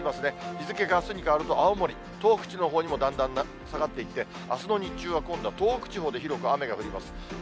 日付があすに変わると青森、東北地方のほうにもだんだん下がっていって、あすの日中は、今度は東北地方で広く雨が降ります。